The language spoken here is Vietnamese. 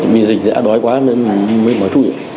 bị dịch đã đói quá nên mới mở chủ